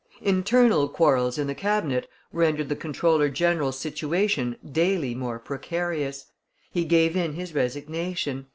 Internal quarrels in the cabinet rendered the comptroller general's situation daily more precarious; he gave in his resignation.